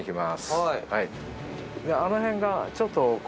はい。